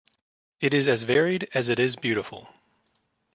It is as varied as it is beautiful.